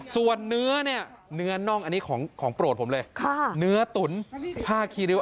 ส่วนเนื้อเนี่ยเนื้อน่องอันนี้ของของโปรดผมเลยค่ะเนื้อตุ๋นผ้าคีริ้ว